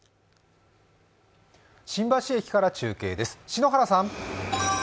新橋駅から中継です。